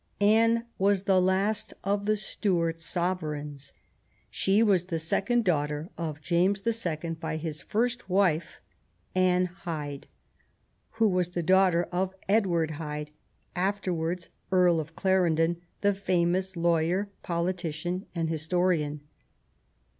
Anne was the last of the Stuart sovereigns. She was the second daughter of James the Second by his first wife, Anne Hyde, who was the daughter of Edward Hyde, afterwards Earl of Clarendon, the fa mous lawyer, politician, and historian.